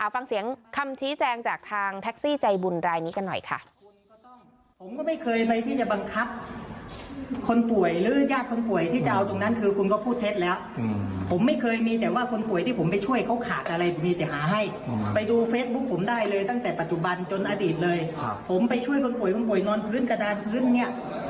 ฟังเสียงคำชี้แจงจากทางแท็กซี่ใจบุญรายนี้กันหน่อยค่ะ